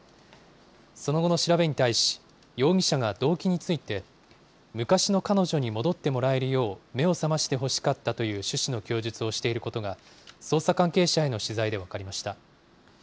その後の調べに対し、容疑者が動機について、昔の彼女に戻ってもらえるよう、目を覚ましてほしかったという趣旨の供述をしていることが、捜査関係者への取材で分かりました。